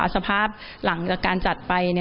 สภาพหลังจากการจัดไป